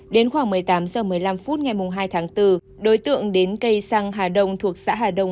đến khoảng một mươi tám h một mươi năm phút ngày hai tháng bốn đối tượng đến cây xăng hà đông thuộc xã hà đông